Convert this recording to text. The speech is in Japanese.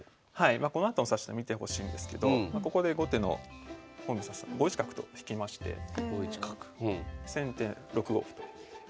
このあとの指し手見てほしいんですけどここで後手の本因坊算砂さん５一角と引きまして先手６五歩と。